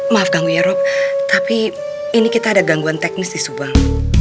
maaf ganggu ya rob tapi ini kita ada gangguan teknis di subang